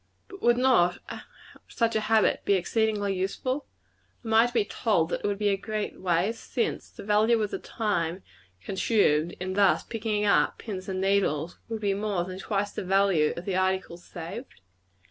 But would not such a habit be exceedingly useful? Am I to be told that it would be a great waste, since the value of the time consumed in thus picking up pins and needles, would be more than twice the value of the articles saved?